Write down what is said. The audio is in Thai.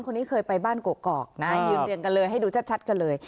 คนนี้เคยไปบ้านกอกนะยืนเรียงกันเลยให้ดูชัดกันเลย